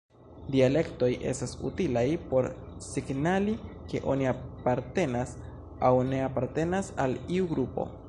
Dialektoj estas utilaj por signali ke oni apartenas aŭ ne apartenas al iu grupo.